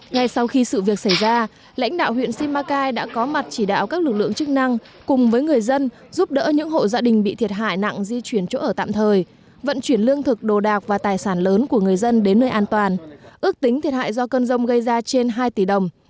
ngay sau khi sự việc xảy ra lãnh đạo huyện simacai đã có mặt chỉ đạo các lực lượng chức năng cùng với người dân giúp đỡ những hộ gia đình bị thiệt hại nặng di chuyển chỗ ở tạm thời vận chuyển lương thực đồ đạc và tài sản lớn của người dân đến nơi an toàn ước tính thiệt hại do cơn rông gây ra trên hai tỷ đồng